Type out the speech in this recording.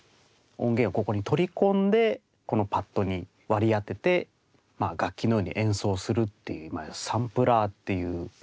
音源をここに取り込んでこのパッドに割り当てて楽器のように演奏するっていうサンプラーっていう機材になるんですね。